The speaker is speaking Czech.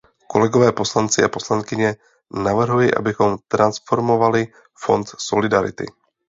Kolegové poslanci a poslankyně, navrhuji, abychom transformovali Fond solidarity.